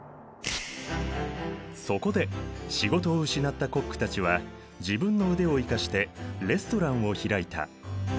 そこで仕事を失ったコックたちは自分の腕を生かしてレストランを開いた。